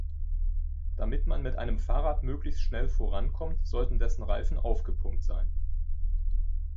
Damit man mit einem Fahrrad möglichst schnell vorankommt, sollten dessen Reifen aufgepumpt sein.